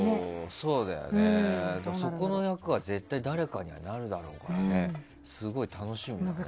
そこの役は誰かになるだろうからすごい楽しみ。